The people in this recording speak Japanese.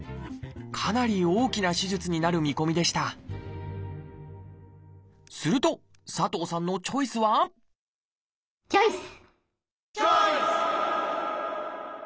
かなり大きな手術になる見込みでしたすると佐藤さんのチョイスはチョイス！